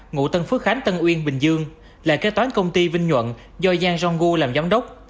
ngụ tân phước khánh tân uyên bình dương là kế toán công ty vinh nhuận do giang rong gu làm giám đốc